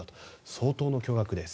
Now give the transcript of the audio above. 相当の巨額です。